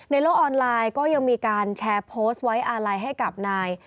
โลกออนไลน์ก็ยังมีการแชร์โพสต์ไว้อาลัยให้กับนาย